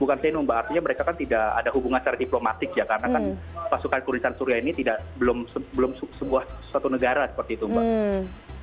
bukan seno mbak artinya mereka kan tidak ada hubungan secara diplomatik ya karena kan pasukan kurisan suria ini belum sebuah satu negara seperti itu mbak